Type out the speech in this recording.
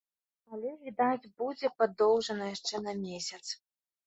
Але, відаць, будзе падоўжана яшчэ на месяц.